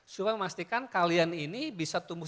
supaya memastikan kalian ini bisa tumbuh